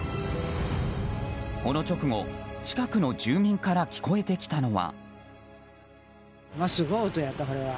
この直後、近くの住民から聞こえてきたのは。